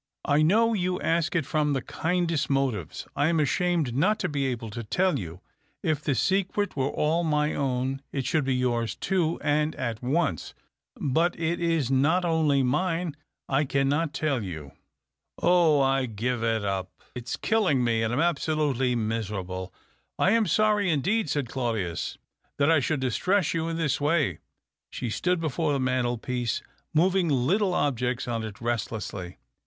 " I know you ask it from the kindest motives. I am ashamed not to be able to tell you. If the secret were all my own, it should be yours too, and at once. But it is not only mine. I cannot tell you." "Oh, I give it up ! It is killing me — I am absolutely miserable." " I am sorry indeed," said Claudius, " that I should distress you in this way." She stood before the mantelpiece, moving little objects on it restlessly.